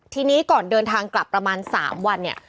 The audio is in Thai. ทีนี้ก่อนเดินทางกลับประมาณ๓วันเนี่ย